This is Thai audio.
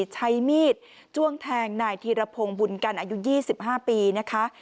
ใช้มีดจ้วงแทงนายธีรพงศ์บุญกันอายุ๒๕ปีนะคะ